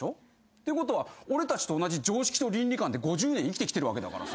ってことは俺たちと同じ常識と倫理観で５０年生きてきてるわけだからさ。